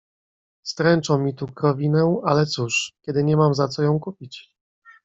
"Stręczą mi tu krowinę, ale cóż, kiedy nie mam za co ją kupić."